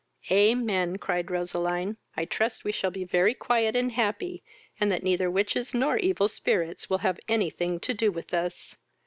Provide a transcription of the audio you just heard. "Amen! (cried Roseline;) I trust we shall be very quiet and happy, and that neither witches nor evil spirits will have any thing to do with us."